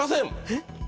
えっ。